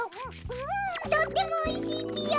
ふんとってもおいしいぴよ。